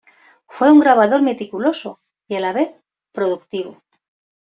Fue un grabador meticuloso y a la vez productivo.